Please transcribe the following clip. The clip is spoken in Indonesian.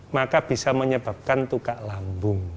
maka bisa menyebabkan tukak lambung